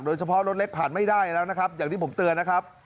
โดยเฉพาะรถเล็กผ่านไม่ได้แล้วนะครับอย่างที่ผมเตือนนะครับ